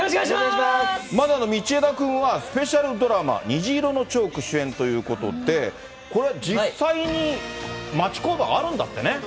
まず道枝君は、スペシャルドラマ、虹色のチョーク主演ということで、これは実際に町工場があるんだってね。